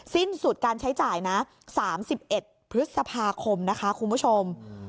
สิ้นสุดการใช้จ่ายนะ๓๑พฤษภาคมนะคะคุณผู้ชม